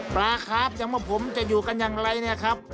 ปลาครับอย่างเมื่อผมจะอยู่กันอย่างไรนะครับ